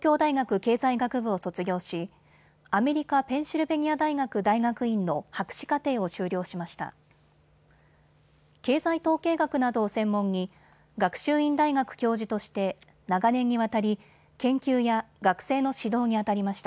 経済統計学などを専門に学習院大学教授として長年にわたり研究や学生の指導にあたりました。